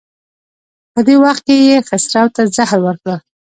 په دې وخت کې یې خسرو ته زهر ورکړل.